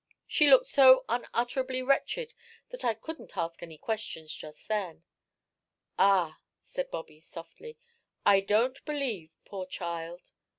She looked so unutterably wretched that I couldn't ask any questions just then." "Ah," said Bobby, softly. "I don't believe, poor child!